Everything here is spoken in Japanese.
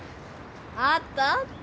あったあった。